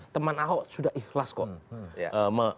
teman ahok sudah ikhlas kok